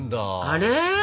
あれ？